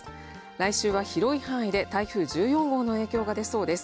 来週は広い範囲で台風１４号の影響がでそうです。